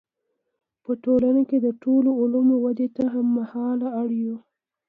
په ټولنه کې د ټولو علومو ودې ته هم مهاله اړ یو.